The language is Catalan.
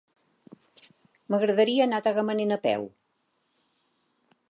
M'agradaria anar a Tagamanent a peu.